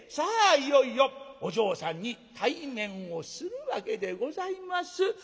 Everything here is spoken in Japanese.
いよいよお嬢さんに対面をするわけでございます。